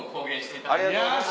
ありがとうございます。